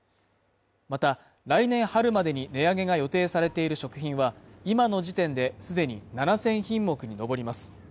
また来年春までに値上げが予定されている食品は今の時点で既に７０００品目に上ります